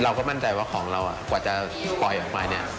เราก็มั่นใจว่าของเรากว่าจะปล่อยออกไปเนี่ย